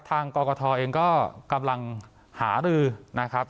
ทางกอกทเองก็กำลังหาลือนะครับ